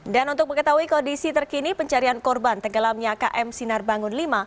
dan untuk mengetahui kondisi terkini pencarian korban tenggelamnya km sinar bangun v